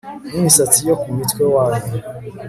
n imisatsi yo ku mutwe wanyu